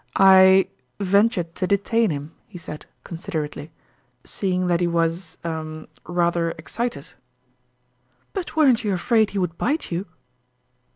" I ventured to detain him," he said, con siderately, " seeing that he was er rather excited." " But weren't you afraid he would bite you